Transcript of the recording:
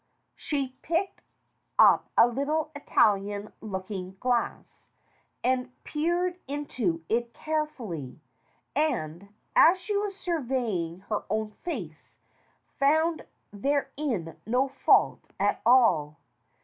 She picked up a little Italian looking glass and peered into it carefully, and, as she was surveying her own face, found therein no fault at all.